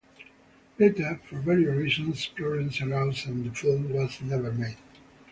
Later, for various reasons, problems arose and the film was never made.